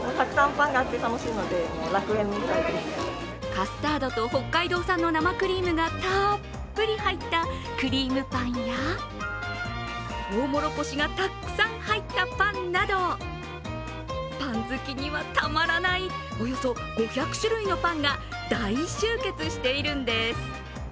カスタードと北海道産の生クリームがたっぷり入ったクリームパンやとうもろこしがたくさん入ったパンなどパン好きにはたまらない、およそ５００種類のパンが大集結しているんです。